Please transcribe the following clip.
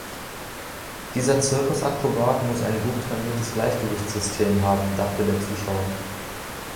"Dieser Zirkusakrobat muss ein gut trainiertes Gleichgewichtssystem haben", dachte der Zuschauer.